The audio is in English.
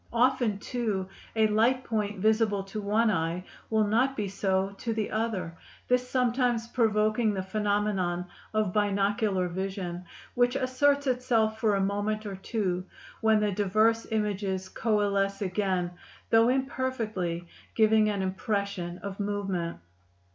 Often, too, a light point visible to one eye will not be so to the other, this sometimes provoking the phenomenon of binocular vision, which asserts itself for a moment or two, when the diverse images coalesce again, though imperfectly, giving an impression of movement.